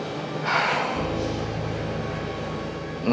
saya juga tahu dari pak al